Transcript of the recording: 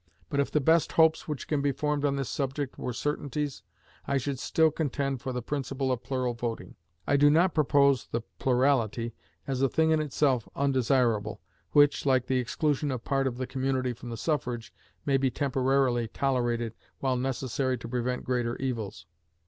But if the best hopes which can be formed on this subject were certainties, I should still contend for the principle of plural voting. I do not propose the plurality as a thing in itself undesirable, which, like the exclusion of part of the community from the suffrage, may be temporarily tolerated while necessary to prevent greater evils.